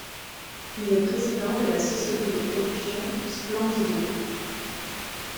Il est président de la société de production Splendido.